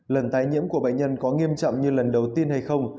lần tái nhiễm của bệnh nhân có nghiêm trọng như lần đầu tiên hay không